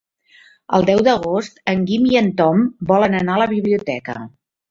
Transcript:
El deu d'agost en Guim i en Tom volen anar a la biblioteca.